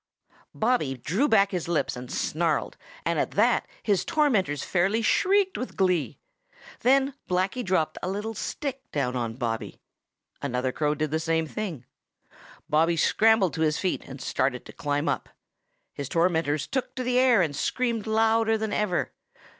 "Ca a w, ca a w, ca a w, caw, caw, ca a w, caw, caw, caw!" Bobby drew back his lips and snarled, and at that his tormentors fairly shrieked with glee. Then Blacky dropped a little stick down on Bobby. Another crow did the same thing. Bobby scrambled to his feet and started to climb up. His tormentors took to the air and screamed louder than ever.